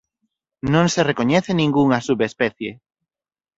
Non se recoñece ningunha subespecie.